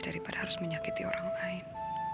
daripada harus menyakiti orang lain